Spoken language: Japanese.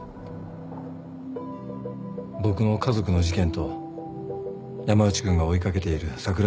僕の家族の事件と山内君が追い掛けている桜木泉の事件は